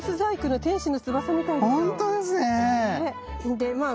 でまあ